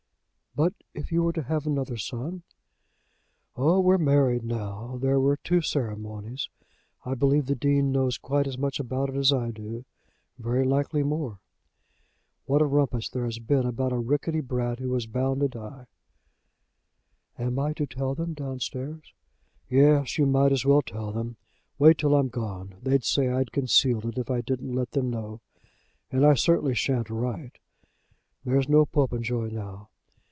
"But if you were to have another son?" "Oh! we're married now! There were two ceremonies. I believe the Dean knows quite as much about it as I do; very likely more. What a rumpus there has been about a rickety brat who was bound to die." "Am I to tell them downstairs?" "Yes; you might as well tell them. Wait till I'm gone. They'd say I'd concealed it if I didn't let them know, and I certainly shan't write. There's no Popenjoy now.